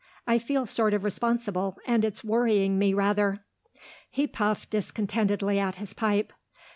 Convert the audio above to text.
I feel sort of responsible, and it's worrying me rather." He puffed discontentedly at his pipe.